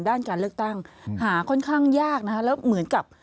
ด้านการเลือกตั้งหาค่อนข้างยากนะคะแล้วเหมือนกับ